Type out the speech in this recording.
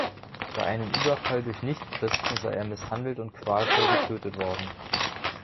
Bei einem Überfall durch Nichtchristen sei er misshandelt und qualvoll getötet worden.